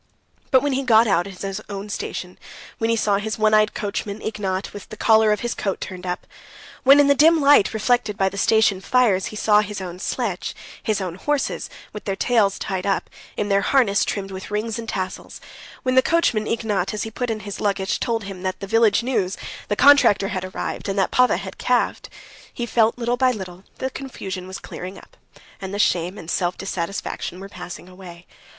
But when he got out at his own station, when he saw his one eyed coachman, Ignat, with the collar of his coat turned up; when, in the dim light reflected by the station fires, he saw his own sledge, his own horses with their tails tied up, in their harness trimmed with rings and tassels; when the coachman Ignat, as he put in his luggage, told him the village news, that the contractor had arrived, and that Pava had calved,—he felt that little by little the confusion was clearing up, and the shame and self dissatisfaction were passing away.